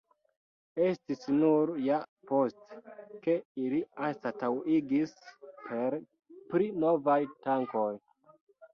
Estis nur ja poste, ke ili anstataŭigis per pli novaj tankoj.